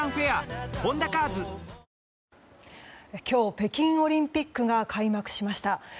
今日、北京オリンピックが開幕しました。